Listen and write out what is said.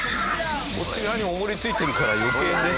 こっち側に重りついてるから余計ね。